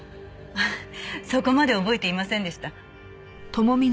そこまで覚えていませんでした。